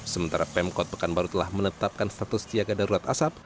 sementara pemkot pekanbaru telah menetapkan status siaga darurat asap